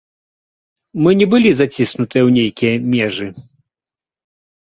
Мы не былі заціснуты ў нейкія межы.